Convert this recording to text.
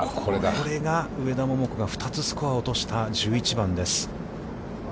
これが、上田桃子が２つスコアを落とした、１１番です。